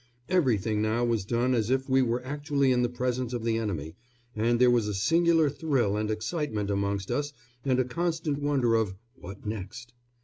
Everything now was done as if we were actually in the presence of the enemy, and there was a singular thrill and excitement amongst us and a constant wonder of "What next?"